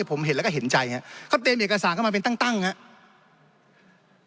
ผมเห็นแล้วก็เห็นใจครับเขาเตรียมเอกสารเข้ามาเป็นตั้งตั้งครับ